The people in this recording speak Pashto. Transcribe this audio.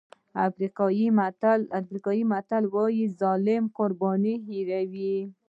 افریقایي متل وایي ظالم قرباني هېروي.